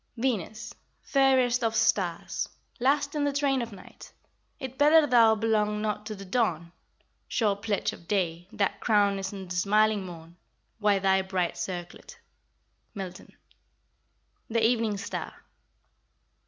VENUS. Fairest of stars, last in the train of night, If better thou belong not to the dawn, Sure pledge of day, that crown'st the smiling morn With thy bright circlet. Milton. THE EVENING STAR.